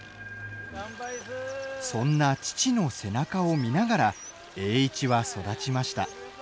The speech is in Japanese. そんな父の背中を見ながら栄一は育ちました。